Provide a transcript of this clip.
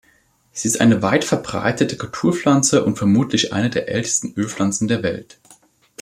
Sie ist eine weit verbreitete Kulturpflanze und vermutlich eine der ältesten Ölpflanzen der Welt.